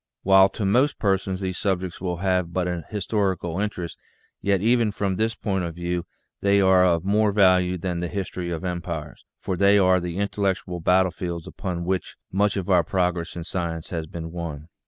While to most persons these subjects will have but an historical interest, yet even from this point of view they are of more value than the history of empires, for they are the intellectual battlefields upon which much of our prog ress in science has been won.